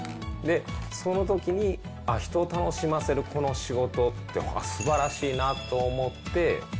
そのときに、あっ、人を楽しませるこの仕事ってすばらしいなと思って。